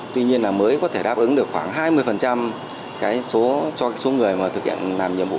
tuy nhiên là mới có thể đáp ứng được khoảng hai mươi cho số người mà thực hiện làm nhiệm vụ